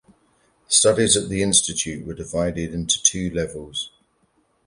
Studies at the Institute were divided into two levels.